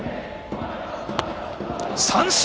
三振！